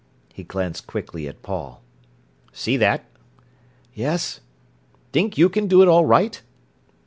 He glanced quickly at Paul. "See that?" "Yes." "Think you can do it all right?"